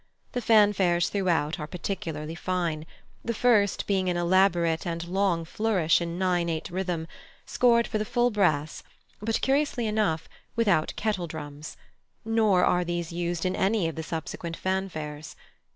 The fanfares throughout are particularly fine, the first being an elaborate and long flourish in nine eight rhythm, scored for the full brass, but, curiously enough, without kettledrums; nor are these used in any of the subsequent fanfares.